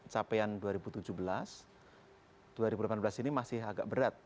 capaian dua ribu tujuh belas dua ribu delapan belas ini masih agak berat